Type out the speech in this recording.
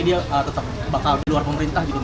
dia tetap bakal di luar pemerintah gitu